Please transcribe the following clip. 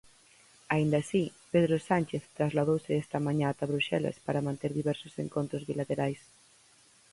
Aínda así, Pedro Sánchez trasladouse esta mañá ata Bruxelas para manter diversos encontros bilaterais.